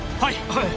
はい。